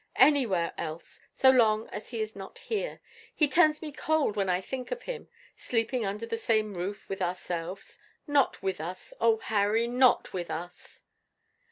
Anywhere else, so long as he is not here. He turns me cold when I think of him, sleeping under the same roof with ourselves. Not with us! oh, Harry, not with us!"